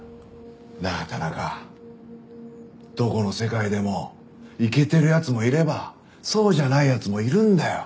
なあ田中どこの世界でもイケてる奴もいればそうじゃない奴もいるんだよ。